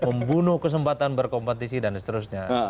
membunuh kesempatan berkompetisi dan seterusnya